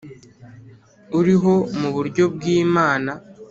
uriho mu buryo bw’ Imana